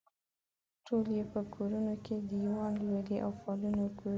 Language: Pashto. ټول یې په کورونو کې دیوان لولي او فالونه ګوري.